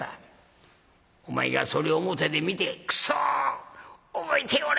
お前がそれを表で見て『クソ！覚えておれ！